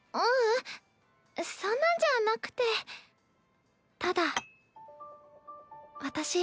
ううんそんなんじゃなくてただ私